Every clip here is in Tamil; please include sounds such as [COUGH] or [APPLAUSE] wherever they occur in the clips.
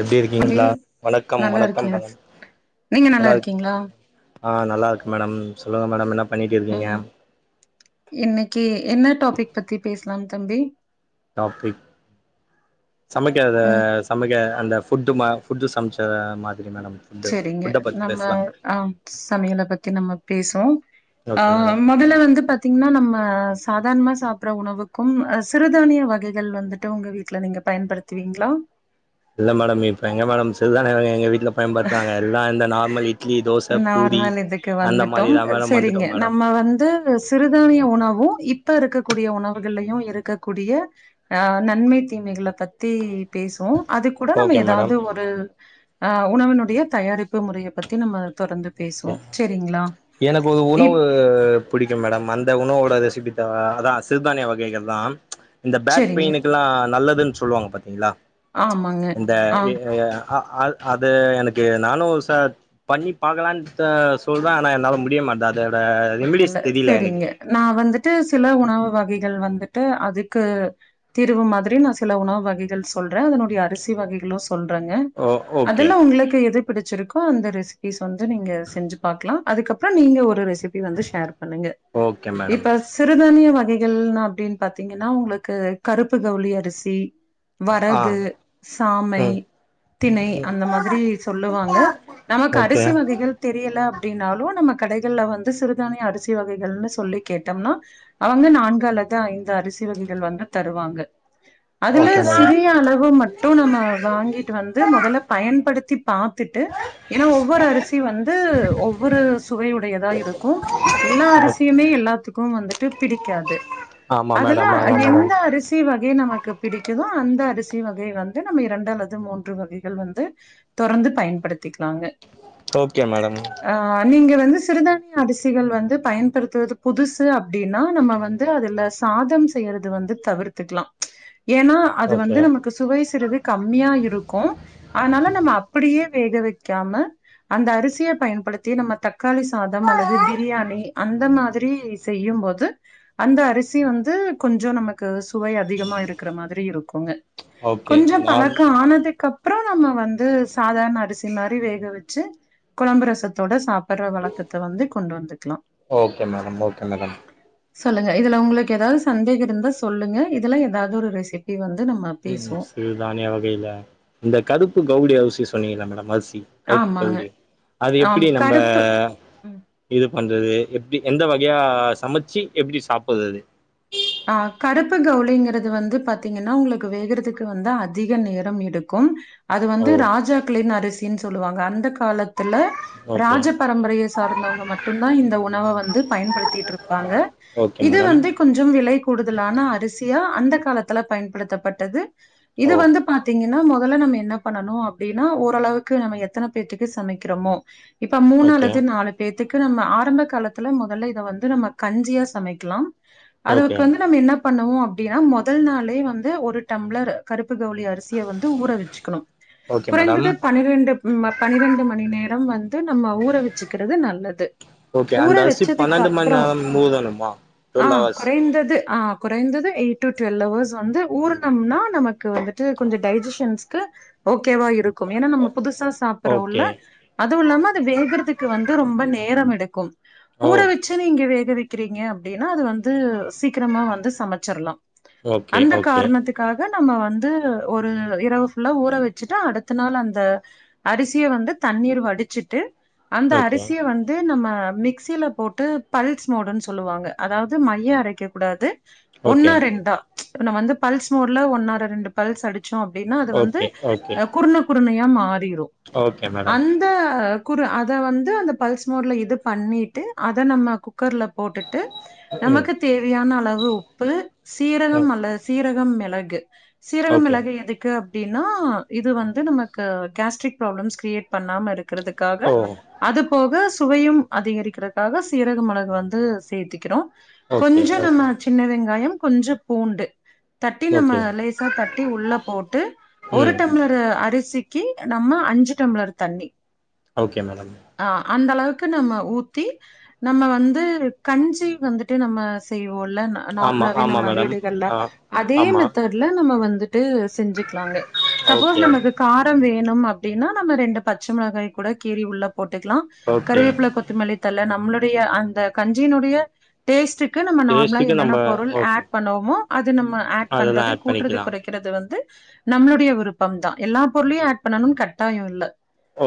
எப்டி தோழி இருக்கீங்களா வணக்கம் நல்லா இருக்கே வணக்கம் பகம் நீங்க நல்லா இருக் இருக்கீங்களா ஆ நல்லாயிருக்கே மேடம் சொல்லுங்க மேடம் என்ன பண்ணிட்டு இருக்கீங்க இன்னைக்கி என்ன டாபிக் பத்தி பேசலாம் தம்பி டாபிக் சமைக்கறத ம் சமைக்க அந்த ஃபுட்டு மா ஃபுட்டு சமைச்ச மாதிரி மேடம் ஃபுட்டு சேரிங்க ஃபுட்ட பத்தி நம்ம பேசலாம் அ சமையல பத்தி நம்ம பேசுவோ அ ஓகே மேடம் முன்னெல்லா வந்து பாத்தீங்கன்னா நம்ம சாதாரணமா சாப்பற உணவுக்கும் சிறுதானிய வகைகள் வந்து ட்டு உங்க வீட்ல நீங்க பயன்படுத்துவீங்ளா இல்ல மேடம் இப்ப எங்க மேடம் சிறுதானிய வகைகள் எங்க வீட்ல பயன்படுத்துறாங்க எல்லா இந்த நார்மல் இ நார்மல் இதுக்கு வந்துட்டோ மாரிதா மேடம் சரிங்க வந்துட்டோ மேடம் நம்ம வந்து சிறுதானிய உணவும் இப்ப இருக்கக்கூடிய உணவுகள்லையு இருக்கக்கூடிய அ நன்மை தீமைகள பத்தி பேசுவோ அது கூட நம்ம ஓகே ஏதாவது மேடம் ஒரு அ உணவினுடைய தயாரிப்பு முறைய பத்தி நம்ம தொடர்ந்து பேசுவோ ஓகே சரிங்ளா இப் கு புடிக்கும் மேடம் அந்த உணவோட ரெசிபி தா அத்தா சிறுதானிய வகைகள் தான் இந்த பேக் சரிங்க. பெயினுக்கெல்லா நல்லதுன்னு சொல்லுவாங்க பாத்தீங்களா ஆமாங்க. இந்த ஆ எ ஏ அ அ அது எனக்கு நானும் ஒரு சார் பண்ணி பாக்கலான்னுடு சொல்றே ஆனா என்னால முடிய மாட்டேங்குது அதோட ரெமிடிஸ் தெரியல எனக்கு நா வந்துட்டு சில உணவு வகைகள் வந்துட்டு அதுக்கு தீர்வு மாதிரி நா சில உணவு வகைகள் சொல்றே அதனுடைய அரிசி வகைகளும் சொல்றங்க ஓ ஓகே அதுல்லா உங்களுக்கு எது பிடிச்சிருக்கோ அந்த ரெசிபிஸ் வந்து நீங்க செஞ்சு பாக்கலா அதுக்கப்புறோ நீங்க ஒரு ரெசி இது வந்து ஷேர் பண்ணுங்க ஓகே மேடம் இப்ப சிறுதானிய வகைகள்னா அப்படின்னு பாத்தீங்கன்னா உங்களுக்கு கருப்பு கவுளி அரிசி ஆ வரகு சாமை ம் திணை அந்த மாதிரி சொல்லுவாங்க நமக்கு ஓகே அரிசி வகைகள் தெரியல அப்படின்னாலு நம்ம கடைகள்ல வந்து சிறுதானிய அரிசி வகைகள்னு சொல்லி கேட்டோம்னா அவங்க நான்கு அல்லது ஐந்து அரிசி வகைகள் வந்து தருவாங்க அதுல ஓகே மேடம் சிறிய அளவு மட் டும் நம்ம வாங்கிட்டு வந்து மொதல்ல பயன்படுத்தி பாத்துட்டு ஏன்னா ஒவ்வொரு அரிசி வந்து ஒவ்வொரு சுவையுடையதா இருக் கு எல்லா அரிசியுமே எல்லாத்துக்கும் வந்துட்டு பிடிக்காது ஆமா அதுல்லா மேடம் ஆமா மேடம் எந்த அரி சி வகை நமக்கு பிடிக்குதோ அந்த அரிசி வகை வந்து நம்ம இரண்டு அல்லது மூன்று வகைகள் வந்து தொடர்ந்து பயன்படுத்திக்கலாங்க ஓகே மேடம் அ நீங்க வந்து சிறுதான் திய அரிசிகள் வந்து பயன்படுத்துவது புதுசு அப்டின்னா நம்ம வந்து அதுல சாதம் செய்யறது வந்து தவிர்க் திக்லா ஏன்னா அது ஓகே வந்து நமக்கு சு சுவை சிறிது கம்மியா இருக்கு அதனால நம்ம அப்டியே வேக வெக்காம அந்த அரிசிய பயன்படுத்தி நம்ம தக்காளி சாத் தம் அல்லது பிரியாணி அந்த மாதிரி செய்யும்போது அந்த அரிசி வந்து கொஞ்சோ நமக் கு சுவை அதிகமா இருக்கற மாதிரி இருக்குங்க ஓகே கொஞ்சோ நான் பழக்க ஆனதுக்குகப் அப்பறோ நம்ம வந்து சாதாரண அரிசி மாரி வேக வெச்சு கொழம்பு ரசத்தோடு சாப்பிட்ற வழக் த்த வந்து கொண்டு வந்துக்லா ஓகே மேடம் ஓகே மேடம் சொல்லுங்க இதுல உங்களுக்கு ஏதாவது சந்தேக இருந்தா சொல்லுங்க இதுலா ஏதாவது ஒரு ரெசிபி வந்து நம்ம ம் பேசுவோ சிறுதானிய வகையில இந்த கருப்பு கவுளி அரிசி சொன்னீங்கள மேடம் அரிசி கருப்பு ஆமாங்க கவுளி அது ஆம் எப்டி நம்ப கருப்பு இது பண்றது எப்டி எந்த வகயா சமச்சு எப்டி சாப்பட்றது ஆ கருப்பு கவுளிங்கிறது வந்து பாத்தீங்கன்னா உங்களுக்கு வேகறதுக்கு வந்து அதிக நேரம் எடுக்கும் அது ஓ வந்து ராஜாக்களின் அரிசின் சொல்லுவாங்க அந்த காலத்துல ஓகே ராஜ பரம்பரைய சார்ந்தவங்க மட்டுந்தா இந்த உணவ வந்து பயன்படுத்திட்ருப்பாங்க ஓகே இது மேடம் வந்து கொஞ்ச ஞ்சும் விலை கூடுதலான அரிசியா அந்த காலத்துல பயன்படுத்தப்பட்டது ஓ இது வந்து பாத்தீங்கன்னா முதல நம்ம என்ன பண்ணணு அப்டினா ஓரளவுக்கு நம்ம எத்தன பேத்துக்கு சமைக்கிறமோ இப்ப மூணு ஓகே அல்லது நாலு பேத்துக்கு நம்ம ஆரம்ப காலத்துல முதல்ல இத வந்து நம்ம கஞ்சியா சமைக்கலாம் ஓகே அதுக்கு வந்து நம்ம என்ன பண்ணுவோ அப்டியா முதல் நாளே வந்து ஒரு டம்ளர் கருப்பு கவுளி அரிஸ் சிய வந்து ஊற வெச்சுக்கணு ஓகே மேடம் குறைந்தது பனிரெண்டு ம்ம பனிரெண்டு மணி நேரம் வந்து நம்ம ஊற வெச்சுக்கிறது நல்லது ஓகே ஊற அந்த அரிசி வச்சதுக்கு பன்னெண்டு மண் அப்புறம் நேரோ மூதணுமா ஆ டுவெல் ஹவர்ஸ் குறைந்தது ஆ குறைந்தது எயிட் டு டுவெல் ஹவர்ஸ் வந்து ஊறணும்னா நமக் கு வந்துட்டு கொஞ்சோ டைஜஷன்ஸ்கு ஓகேவா இருக்கும் ஏனா நம்ம புதுசா சாப்பட்றோள்ள ஓகே அதுவு இல்லாம அது வேகறதுக்கு வந்து ரொம்ப நேரம் எடுக்கும் ஓ ஊற வெச் ச்சு நீங்க வேகவெக்கிறீங்க அப்டினா அது வந்து சீக்கரமா வந்து சமச்சறலா ஓகே அந்த ஓகே காரணத்துக் க்காக நம்ம வந்து ஒரு இரவு ஃபுல்லா ஊற வெச்சுட்டு அடுத்த நாள் அந்த அரிசிய வந்து தண்ணீர் வடிச்சிட்டு அந்த ஓகே அரிசிய வந்து நம்ம மிக்சில போட்டு பல்ஸ் மோடுன் சொல்லுவாங்க அதாவ் து மையா அரைக்க கூடாது ஓகே ஒன்னா ரெண்டா ச் இப்ப நம்ம வந்து பல்ஸ் மோட்ல ஒன்னார ரெண்டு பல்ஸ் அடிச்சோ அப்டின்னா அது வந்து ஓகே ஓகே குருண குருணையா மாறிரு ஓகே மேடம் அந்த குரு அத வந்து அந்த பல்ஸ் மோட்ல இது பண்ணிட்டு அத நம்ம குக்கர்ல போட்டுட்டு ம் நமக்கு தேவையான அளவு உப்பு ஓ சீரகம் அல்லது சீரகம் மெளகு சீரகம் ஓகே மெளகு எதுக்கு அப் அப்டின்னா இது வந்து நமக்கு கேஸ்ட்ரிக் ப்ராப்ளம்ஸ் கிரியேட் பண்ணாம இருக்கிறதுக்காக ஓ அது போக சுவையும் அதிகரிக்கறதுக்காக சீரக மெளகு வந்து சேத்திக்கிடோ ஓகே கொஞ்சோ ஓகே நம்ம சின்ன வெங்காயம் கொஞ்ச பூண்டு தட்டி நம்ம ஓகே லேசா தட்டி உள்ள போட்டு ஒரு ம் டம்ளர் அரிசிக் கி நம்ம அஞ்சு டம்ளர் தண்ணி ஓகே மேடம் ஆ அந்த அளவுக்கு நம்ம ஊத்தி நம்ம வந்து கஞ்சி வந்துட் ட்டு நம்ம செய்வோல்ல ந ஆமா நார்மலாவே ஆமா நம்ம மேடம் வீடுகள்ல ஆ அதே ஆமா மெத்தட் ல்ல நம்ம வந்துட்டு செஞ்சுக்லாங்க சப்போஸ் ஓகே நமக்கு காரம் வேணும் அப்டின்னா நம்ம ரெண்டு பச்சை மிளகாய் கூட கீறி உள்ள போட்டுக்கலா ஓகே கருவேப்பில கொத் த்த மல்லித்தல நம்மளுடைய அந்த கஞ்சியினுடைய டேஸ்ட்டுக் க்கு நம்ம நார்மலா டேஸ்ட்டுக்கு என்னென்ன நம்ம பொருள் ஓகே ஆட் பண்ணுவமோ அது நம்ம ஆட் அதெல்லா பண்றது ஆட் கூட்றது பண்ணிக்கலா கொறைக்கி கிறது வந்து நம்மளுடைய விருப்பம் தா எல்லா பொருளையு ஆட் பண்ணணும் கட்டாயோ இல்ல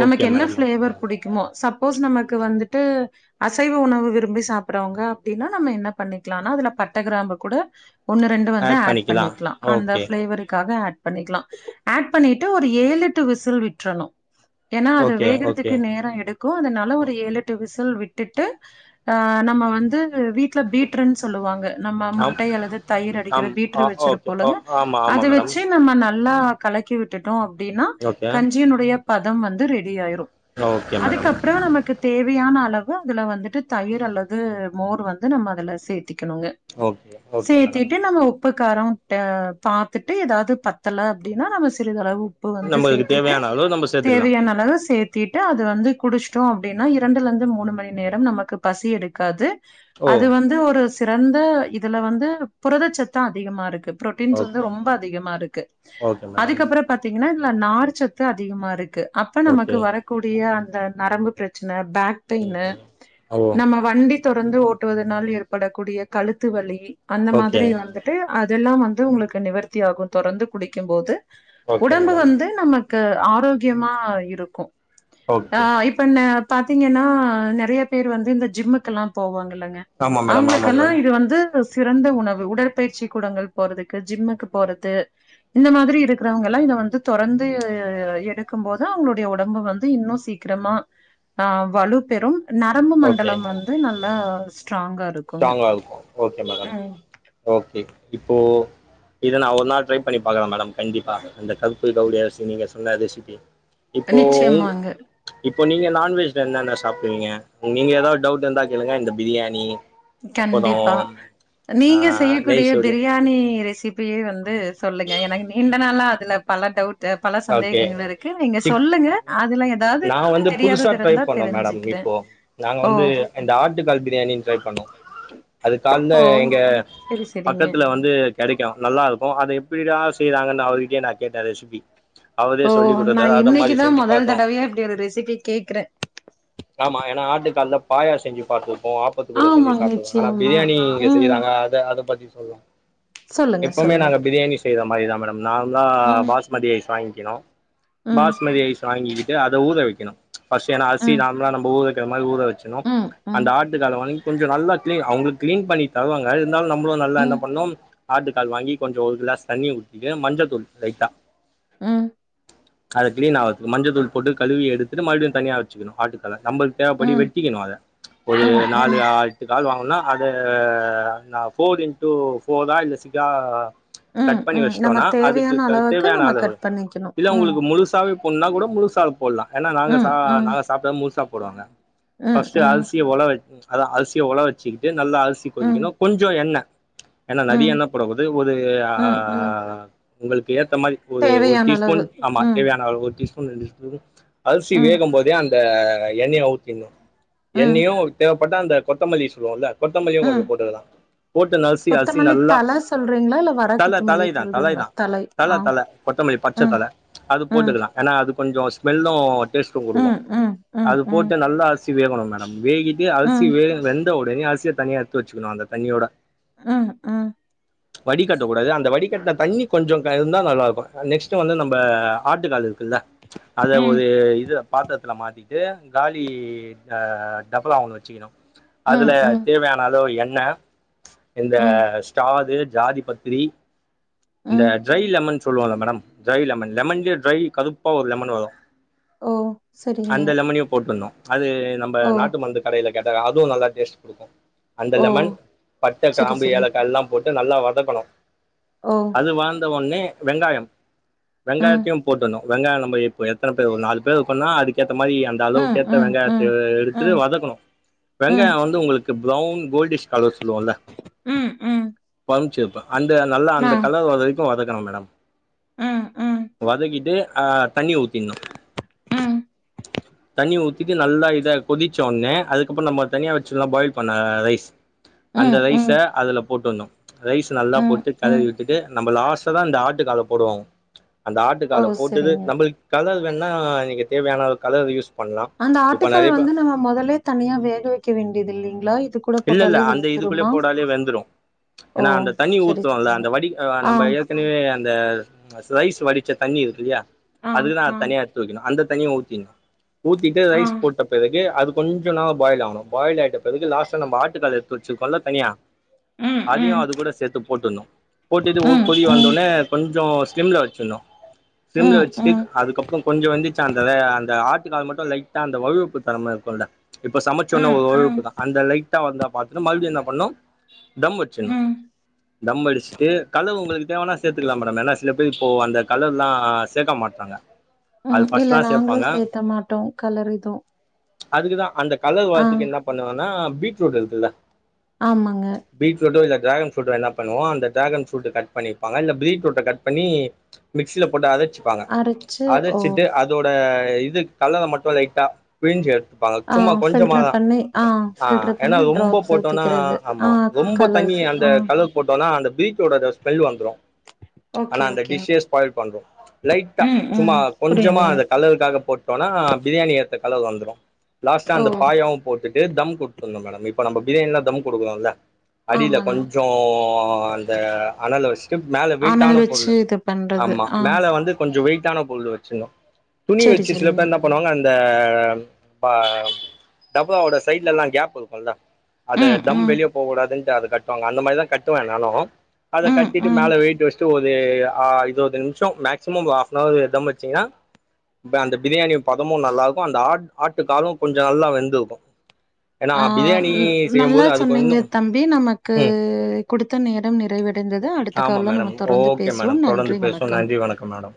நமக்கு ஓகே என்ன மேடம் ஓகே ப்ளேவர் மேடம் புடிக்குமோ சப் சப்போஸ் நமக்கு வந்துட்டு அசைவ உணவு விரும்பி சாப்புறவுங்க அப்டின்னா நம்ம என்ன பண்ணிக்லான்னா அதுல பட்ட கிராம்பு கூட ஒன்னு ரெண்டு வந்து ஆட் பண்ணிக்கலா அந்த ஃப்ளேவருக்காக ஆட் பண்ணிக்லா ஆட் பண்ணிட்டு ஒரு ஏழு எட்டு விசில் விட்றணு ஏனா அது ஓகே ஓகே வேகறதுக்கு நேரோ எடுக் க்கு அதுனால ஒரு ஏழு எட்டு விசில் விட்டுட்டு ஆ நம்ம வந்து க்கு வீட்ல பீட்ருன்னு சொல்லுவாங்க நம்ம ஆம் முட்ட அல்லது தயிர் அடிக்கிற ஆம் ஆ பீட்ரு ஓகே ஓ வச்சுருப்போலங்க ஆமா ஆமா அத மேடம் வச்சு நம்ம நல்லா கலக்கி விட்டுட்டோ அப்டினா ஓகே கஞ்சியினுடைய பதம் வந்து ரெடி ஆயிரும் ஓகே அதுக்கு மேடம் அப்றோ நமக்கு தேவையான அளவு அதுல வந்துட்டு தயிர் அல்லது மோர் வந்து நம்ம அதுல சேத்திக்கணுங்க ஓகே ஓகே மேடம் சேத்திட்டு நம்மோ உப் உப்புக் காரோ டா பாத்துட்டு எதாவது பத்தல அப்டின்னா நம்ம சிறிதளவு உப்பு வந்து நம்மளுக்கு சேத்திட்டு தேவையான அளவு நம்ம சேத்துக்கலா தேவையான அளவு சேத் தீட்டு அது வந்து குடுஸ்டோ அப்டின்னா இரண்டுலருந்து மூணு மணி நேரம் நமக்கு பசி எடுக்காது ஓ அது வந்து ஒரு சிறந்த இதுல வந்து புரதச்சத்து அதிகமா இருக்கு புரோட்டீன்ஸ் வந்து ஓகே ரொம்ப அதிகமா இருக்கு ஓகே மேடம் அதுக்கப்பறோ பாத்தீங்கன்னா இதுல நார்ச்சத்து அதிகமா இருக்கு அப்ப நமக்கு ஓகே வரக் கூடிய அந்த நரம்பு ப்ரச்சன ஃபேக் பெயினு ஓகே ஓ நம்ம வண்டிக் தொடந்து ஓட்டுவதனால் ஏற்படக்கூடிய கழுத்து வலி அந்த மாதிரி ஓகே வந்து த்து அதெல்லாம் வந்து உங்குளுக்கு நிவர்த்தி ஆகு தொடர்ந்து குடிக்கும் போது ஓகே உடம்பு மேடம் வந்து நம்ம க்கு ஆரோக்கியமா இருக்கு அ ஓகே இப் இப்பன்ன பாத்தீங்கன்னா நெறையா பேர் வந்து இந்த ஜிம்முக்கெல்லா போவாங்கல்லங்க ஆமா மேடம் ஆமா அவுங்களுக்கெல்லா மேடம் இது வந்து சிறந்த உணவு உடற்பயிற்சி கூடங்கள் போறதுக்கு ஜிம்முக்கு போறது இந்த மாதிரி இருக்குறவுங்கெல்லா இத வந்து தொறந்து அ எடுக்கும் போது அவுங்களுடைய ஒடம்பு வந்து இன்னு சீக் கிரமா அ வலு பெறும் நரம்பு ஓகே மண்டலம் வந்து நல்லா ஸ்ட்ராங்கா இருக் ஸ்ட்ராங்கா இருக்கு ஓகே மேடம் ஓகே இப்போ இத நா ஒரு நாள் ட்ரை பண்ணி பாக்கறே மேடம் கண்டிப்பா அந்த கருப்பு கவுனி அரிசி நீங்க சொன்ன ரெசிபி இப்போ உங் நிச்சயமாங்க. இப்போ நீங்க நான்வெஜ்ல என்னென்ன சாப்புடுவீங்க நீங்க எதாது டவுட் இருந்த கேளுங்க இந்த பிரியாணி அப்பறோ கண்டிப்பா ஆ நீங்க செய்யகூடிய நெய்சோறு பிரியாணி ரெசிப் பியே வந்து சொல்லுங்க எனக்கு நீண்ட நாளா அதுல பல டவுட் ட்டு பல ஓகே சந்தேகங்கள் இருக்கு நீங்க சொல்லுங்க அதுல எந் நாங்க வந்து புதுசா ட்ரை பண்ணோ மேடம் இப்போ நாங்க ஓ! வந்து இந்த ஆட்டு கால் ப்ரியாணின் டிரை பண்ணோ அது கால்ல ஓ! எங்க சரி, சரிங்க. பக்கத்துல வந்து கெடைக்கு நல்லா இருக்கு அத எப்டிடா செய்றாங்கன்னு அவுருகிட்டயே நா கேட்டே ரெசிபி அவரே ஓ சொல்லி நா குடுத்தாரு அத மாரி இன்னைக்குதா செஞ்சு மொதல் பாத்தோ தடவயா இப்டி ஒரு ரெசிபி கேக்குறே ஆமா ஏன்ன ஆட்டுக்கால்ல பாயா செஞ்சு பாத்துருப்போ ஆப்பத்து கூட செஞ்சு ஆமாங்க, சாப்ட்ருக்கோ ஆனா நிச்சயமா. ப்ரியாணி இங்க ம். செய்யறாங்க அத பத்தி சொல்லா சொல்லுங்க, எப்பவுமே சொல்லுங்க. நாங்க ப்ரியாணி செய்ர மாரி தா மேடம் நார்ம்லா ம், பாஸ் மதி ஐஸ் வாங்கிக்கிணு ம், பாஸ்மதியைஸ் வாங்கிக்கிட்டு அத ஊற வக்கிணு ஃபர்ஸ்ட் ஏன்னா அர்சி ம், நார்மலா நம்ம ஊறவக்கிற மாரி ஊற வச்சணு ம், அந்த ம், ஆட்டுக்கல வாங்கி கொஞ்சோ நல்லா கிளீன் அவ்ங்க கிளீன் பண்ணி தருவாங்க இருந்தாலு நம்புளு நல்லா என்ன ம், பண்ணு ஆட்டு கால் வாங்கி கொஞ்சோ ஒரு கிளாஸ் தண்ணிய [INAUDIBLE] மஞ்சத்தூள் லைட்டா ம் அது கிளீன் ஆவ்றத்துக்கு மஞ்ச தூள் போட்டு கழுவி எடுத்துட்டு மறுபடியு தனியா வச்சக்கணு ஆட்டுக் கால நம்பளுக்கு தேவப்படி ம், வெட்டிக்கணு அத ஒரு ம், நாலு ஆட்டு கால் வாங்கனும்னா அத அ நா ஃபோர் இன்டூ ஃபோரா இல்ல சிக்கா அ ம், கட் பண்ணி ம். நம்ம வஸ்ட்டோனா அதுக்கு தேவையான அளவுக்கு தேவையான நம்ம அளவு கட் பண்ணிக்கணும். இல்ல ம், உங்களுக்கு முழுசாவே புன்னா கூட முழுசா போட்லா ஏன்னா நாங்க சா ம், ம், நாங்க சாப்ட்ட முழுசா போடுவாங்க ம், ஃபர்ஸ்ட்ட் ம். அரிசிய ஓல வ அத அரிசிய ஓல வச்சுக்கிட்டு நல்லா அரிசி ம், கொதிக்கணு கொஞ்சோ எண்ணெ ஏன்னா ம், நறிய எண்ண போடகுது ஒரு அ ம், ம். உங்களுக்கு ஏத்த மாரி ஒரு ஒரு தேவையான அளவு. டீஸ்பூன் ஆமா ம், தேவையான அளவு ஒரு டீஸ்பூன் ரெண்டு டீஸ்பூ அரிசி ம், வேகு போதே அந்த எண்ணெய ஊத்திர்னு ம், எண்ணெயு [INAUDIBLE] தேவ பட்ட அந்த கொத்தமல்லி சொல்லுவோம்ல்ல கொத்தமல்லியு கொஞ்சோ ம். போட்டுக்கலா போட்டு நசி அரிசி கொத்தமல்லி நல்லா தல சொல்றீங்களா? இல்ல வர தல கொத்தமல்லி தலைதா சொல்றீங்களா? தலைதா தலை. ஆ. தல தல கொத்தமல்லி பச்ச ம், தல அது ம், போட்டுக்கலா ஏன்னா அது கொஞ்சோ ஸ்மெல்லு டேஸ்ட்டு கொடுக்கு ம், ம், ம், அது ம், போட்டு நல்லா அரிசி வேகோனு மேடம் வேகிட்டு அரிசி ம், வே வெந்த ஒடனே அரிசிய தனியா எடுத்து வச்சுக்கணு அந்த தண்ணியோட ம் ம் வடிகட்டக்கூடாது அந்த வடிகட்டின தண்ணி கொஞ்சோ க இருந்தா நல்லாயிருக்கு நெக்ஸ்ட்டு வந்து நம்ம ஆட்டுக்கால் இருக்குல்ல அத ஒரு ம், இது பாத்தரத்துல மாத்திட்டு காலி ஆ டபலா [INAUDIBLE] ஒன்னு வச்சுக்கணு ம், அதுல ம், தேவையான அளவு எண்ண இந்த ம், ஸ்டாது ஜாதி பத்திரி இந்த ம். ட்ரை லெமன் சொல்லுவால்ல மேடம் டிரை லெமன் லெமன்லயே ட்ரை கருப்பா ஒரு லெமன் வரு ஓ! சரிங்க. அந்த லெமனியு போட்டுர்னு அது நம்ம ஓ! நாட்டு மருந்து கடையில கேட்ட அதுவு நல்லா டேஸ்ட் குடுக்கு அந்த ஓ! லெமன் பட்ட சரி, கிராம்பு சரிங்க. ஏலக்கா எல்லா போட்டு நல்லா வதக்கணு ஓ அது வாழ்ந்த ஒன்னே வெங்காய ம், வெங்காயத்தையு போட்டுணு வெங்காய நம்ம இப்ப எத்தன பேர் ஒரு நாலு பேரு இருக்கனா அதுக்கேத்த மாரி அந்த ம், அளவுக்கேத்த ம், வெங்காயத்த ம், எடுத் து ம், வதக்கணு வெங்காய ம், வந்து உங்களுக்கு ப்ரொவுன் கோல்டிஷ் கலர் சொல்லுவோல்ல ம் ம் கம்ச்சிருப்பா அந்த நல்லா ஆ. அந்த கலர் வரவரைக் கு வதக்கணு மேடம் ம், ம், வதக்கிட்டு ஆ தண்ணி ஊத்திணு ம் தண்ணி ஊத்திட்டு நல்லா இத கொதிச்ச ஒன்னே அதுக்கப்றோ நம்ம தனியா வச்சலா பாயில் பண்ண ரைஸ் ம், அந்த ரைஸ்ஸ ம், அதுல போட்டுட்னு ரைஸ் நல்லா ம், போட்டு கெளறி ம். விட்டுட்டு நம்ம லாஸ்ட்டா தா இந்த ஆட்டுக்கால போடுவோம் அந்த ஓ! ஆட்டுக்கால போட்டுது சரிங்க. நம்மளுக்கு கலர் வேணுணா நீங்க தேவையான அளவுக்கு கலர் யூஸ் பண்லாம் அந்த இப்ப நெறைய ஆட்டுக்கால் வந்து பேர் நம்ம மொதலே தனியா வேக வைக்க வேண்டியது இல்லைங்ளா இதுக்கு இல்லல்ல அந்த இதுக்குள்ளயே போடாலே வெந்துரும் ஓ! ஏன்னா அந்த தண்ணி சரி, ஊத்துவோல்ல சரிங்க. அந்த வடி அ ஆ, நம்ப ஏற்கனவே அந்த ஸ்லைஸ் வடி டுச்ச தண்ணி இருக்கு இல்லையா ஆ, அதுக்குதா ஆ, தனியா எடுத்து வக்கணு அந்த தண்ணிய ஊத்திர்னு ஊத்திட்டு ஆ. ரைஸ் போட்ட பிறகு அதுக்கு கொஞ்சோனா பாயில் ஆவனு பாயில் ஆயிட்ட பிறகு லாஸ்டா நம்ம ஆட்டுக்கால் எடுத்து வச்சுருகோல்ல தனியா ம், அதயு ம், அது கூட சேத்து போட்டுர்னு போட்டுட்டு ஒரு ம், கொதி ம், வந்தோன்னே கொஞ் சோ ஸ்சிம்ல வச்சுர்ணு ம், சிம்ல ம், வச்சுட்டு ம், அதுக்கப்பறோ கொஞ்சோ வெந்துச்சா அந்த வே அந்த ஆட்டுக்கால் மட்டு லைட் ட்டா அந்த வழுவழுப்பு தன்ம இருக்குல்ல இப்ப சமச்சோன்ன ஒரு வழுவழுப்பு ம், தா அந்த லைட் டா வந்தா மாத்ரும் மறுபடியு என்ன பண்ணும் தம் வச்சுர்னும் ம், தம் அடுச்சுட்டு கலரு உங்களுக்கு தேவனா சேத்துக்கலா மேடம் ஏனா சில து இப்போ அந்த கலர்ல்லா சேக்க மாட்டாங்க ம் இல்ல நாங்களு சேத்த மாட்டோ கலர் இதுவு அதுக்குதா அந்த கலர் வர்றதுக்கு என்ன பண்ணுவேன்னா பீட்ரூட் இருக்குல்ல ஆமாங்க பீட்ரூட்டு இல்ல டிராகன் ஃப்ரூட்டோ என்ன பண்ணுவோ அந்த டிராகன் ஃப்ரூட்ட கட் பண்ணிப்பாங்க இல்ல பீட்ரூட்ட கட் பண்ணி மிக்சியில போட்டு அதச்சுப்பாங்க அரைச்சு ஓ! அதச்சிட்டு அத அதோட இது கலர மட்டு லைட்டா பிளிஞ்சு எடுத்துப்பாங்க ஆ சும்மா ஃபில்டர் கொஞ்சமாதா பண்ணி ஆ ஃபில்டர் ஏன்னா பண்ணி ரொம்ப ட்ராப்ஸ் போட்டோன்னா ஊத்திக்கிறது. ஆ ஆமா ரொம்ப தண்ணி கலர்ஸ். அந்த ஆ. கல லர் போட்டோன்னா அந்த பீட்ரூட் அது அந்த ஸ்மெல் வந்துரு ஓகே, ஆனா அந்த ஓகேங்க. டிஷ்சே ஸ்பாயில் பண்று லைட்டா ம், ம். சும்மா கொஞ்சமா புரியுதுங்க. அந்த கலருக்காக போட்டு டோனா பிரியாணி ஏத்த கலர் வந்துரும் லாஸ்டா ஓ! அந்த பாயாவு போட்டுட்டு தம் குட் க்கனும் மேடம் இப்ப நம்ம பிரியாணில்லா தம் குடுக்கறோல்ல அடியில ஆமாங்க. கொஞ்சோ அந்த அணல் வச்சுட்டு மேல அனல் வெயிட்டான வச்சு பொருளு இது பண்றது. ஆமா ஆ மேல வந்து கொஞ்சோ வெயிட்டான பொருளு வச்சிர்னு துணி சரி, வெச்சு சில சரிங்க. பேர் இன்னா பண்ணுவாங்க அந்த பா டப்பாவோட சைட்ல எல்லா கேப் இருக்குல்ல அத ம், தம் ம், வெளிய போக கூடாதுன்ட்டு அது கட்டுவாங்க அந்த மாரிதா கட்டுவே நானு அத ம், கட்டிட்டு ம். மேல வெயிட் வச்ட்டு ஒரு ஆ இருவது நிம்ஷோ மேக்சிமம் ஒரு ஆஃப்பனவரு தம் வச்சிங்னா இப்ப அந்த பிரியாணி பதமு நல்லா இருக்கு அந்த ஆட் ஆட்டுக்காலு கொஞ்ச நல்லா வெந்துருக்கும் ஆ நல்லா செய்யும்போது அதுக்கு சொன்னீங்க இன்னும் தம்பி நமக்கு ம் குடுத்த நேரம் நிறைவடைந்தது அடுத் அடுத்த ஆமாம் கால்ல மேடம் நம்ம தொடர்ந்து ஓகே பேசுவோம் மேடம் தொடர்ந்து நன்றி பேசுவோம் வணக்கம் நன்றி வணக்கம் மேடம்